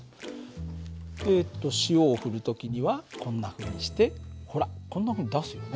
えっと塩を振る時にはこんなふうにしてほらこんなふうに出すよね。